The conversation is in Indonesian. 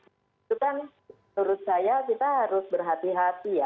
itu kan menurut saya kita harus berhati hati ya